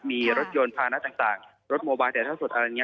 มีรถยนต์ภานะต่างรถโมบายแต่เท่าสดอะไรอย่างนี้